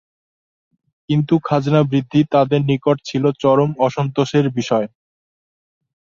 কিন্তু খাজনা বৃদ্ধি তাদের নিকট ছিল চরম অসন্তোষের বিষয়।